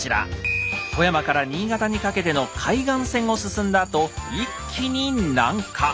富山から新潟にかけての海岸線を進んだあと一気に南下。